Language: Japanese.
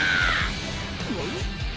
何！？